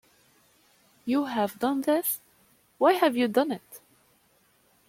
You have done this? Why have you done it?